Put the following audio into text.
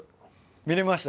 見れました？